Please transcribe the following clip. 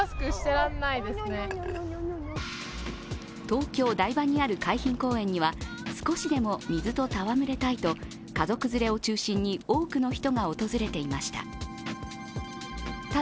東京・台場にある海浜公園には少しでも水とたわむれたいと家族連れを中心に多くの人が訪れていました。